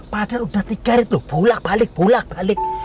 padahal udah tiga rt loh bolak balik bolak balik